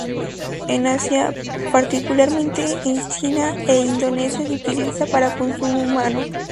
En Asia, particularmente en China e Indonesia se utiliza para consumo humano.